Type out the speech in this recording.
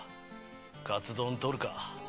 カツ丼とるか？